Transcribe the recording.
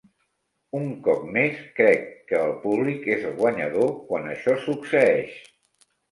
Un cop més, crec que el públic és el guanyador quan això succeeix.